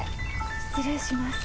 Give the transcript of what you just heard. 失礼します。